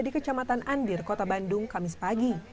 di kecamatan andir kota bandung kamis pagi